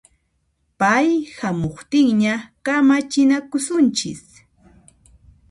Pay hamuqtinña kamachinakusunchis